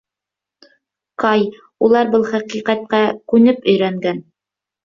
Кай, улар был хәҡиҡәткә күнеп өйрәнгән.